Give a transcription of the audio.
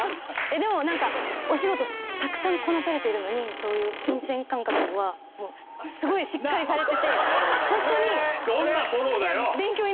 でも、お仕事たくさんこなされているのに、そういう金銭感覚はもう、すごいしっかりされてて、本当に。